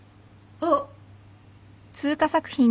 あっ。